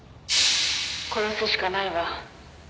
「殺すしかないわ」